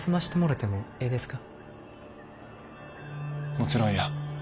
もちろんや。